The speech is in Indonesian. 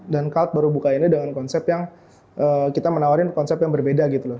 dan kalt baru bukainnya dengan konsep yang kita menawarin konsep yang berbeda gitu loh